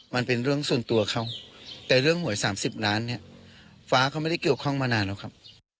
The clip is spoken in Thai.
มันเป็นเรื่องส่วนตัวเขาแต่เรื่องหวย๓๐ล้านเนี่ยฟ้าเขาไม่ได้เกี่ยวข้องมานานแล้วครับ